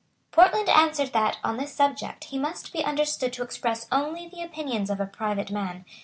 Portland answered that, on this subject, he must be understood to express only the opinions of a private man.